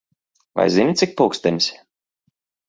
Vai zini, cik pulkstenis?